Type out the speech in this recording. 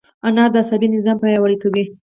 انار د عصبي نظام پیاوړی کوي.